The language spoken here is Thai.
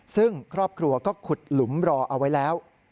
ซึ่งครอบครัวก็ขุดหลุมรอเอาไว้แล้ว